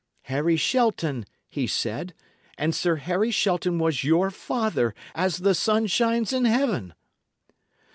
'Harry Shelton,' he said; and Sir Harry Shelton was your father, as the sun shines in heaven."